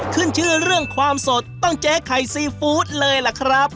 ขึ้นชื่อเรื่องความสดต้องเจ๊ไข่ซีฟู้ดเลยล่ะครับ